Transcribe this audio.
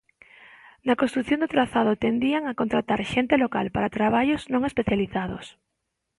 Na construción do trazado tendían a contratar xente local para traballos non especializados.